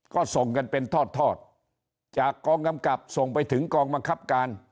ก็ส่งกันเป็นทอดจากกองกำกับส่งไปถึงกองบังคับการ